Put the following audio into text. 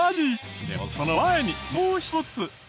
でもその前にもう１つ。